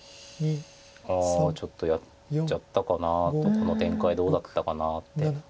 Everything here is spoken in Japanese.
ああちょっとやっちゃったかなとこの展開どうだったかなって。